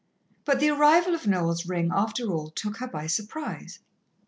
But the arrival of Noel's ring, after all, took her by surprise.